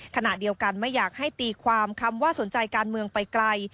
ขณะเดียวกันไม่อยากให้ตีความคำว่าสนใจการเมืองไปไกล